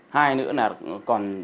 hai nữa là còn